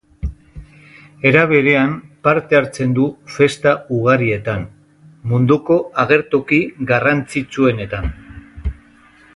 Era berean parte hartzen du festa ugarietan, munduko agertoki garrantzitsuenetan.